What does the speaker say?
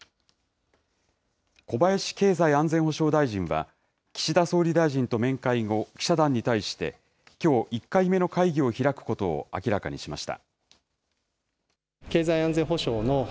小林経済安全保障大臣は、岸田総理大臣と面会後、記者団に対して、きょう１回目の会議を開くことを明らかにしました。